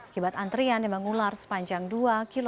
kibat antrian yang mengular sepanjang dua km